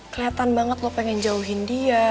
kelihatan banget lo pengen jauhin dia